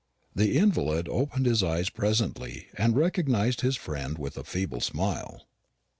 The invalid opened his eyes presently, and recognised his friend with a feeble smile.